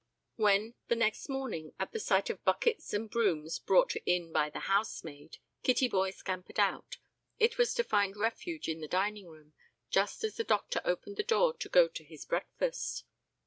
When, the next morning, at the sight of buckets and brooms brought in by the housemaid, Kittyboy scampered out, it was to find refuge in the dining room, just as the doctor opened the door to go to his breakfast.